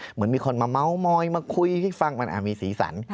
เหมือนมีคนมาเม้ามอยมาคุยให้ฟังมันมีสีสัน